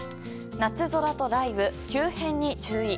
夏空と雷雨、急変に注意。